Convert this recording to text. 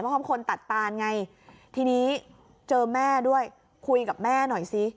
เพราะเขาเป็นคนตัดตานไงทีนี้เจอแม่ด้วยคุยกับแม่หน่อยสิ